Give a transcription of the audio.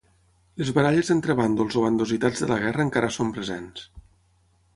Les baralles entre bàndols o bandositats de la guerra encara són presents.